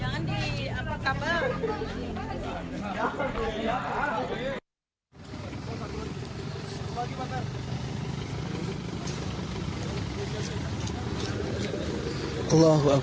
yang mungkin beberapa kali biarkaneseda dalam loong ke sembilan